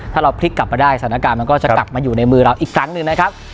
ถ้าเราพลิกกลับมาได้สถานการณ์มันก็จะกลับมาอยู่ในมือเราอีกครั้งหนึ่งนะครับ